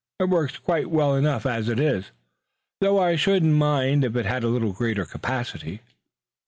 It works quite well enough as it is, though I shouldn't mind if it had a little greater capacity."